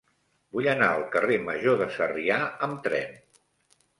Vull anar al carrer Major de Sarrià amb tren.